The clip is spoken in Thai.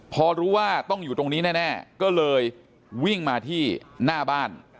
พอรู้ว่าต้องอยู่ตรงนี้แน่ก็เลยวิ่งมาที่หน้าบ้าน